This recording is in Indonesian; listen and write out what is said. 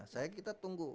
saya kita tunggu